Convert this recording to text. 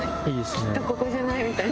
きっとここじゃない？みたいな。